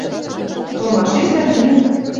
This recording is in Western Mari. Толмашешдӓ мӹньӹ